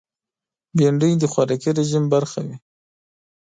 بېنډۍ د خوراکي رژیم برخه وي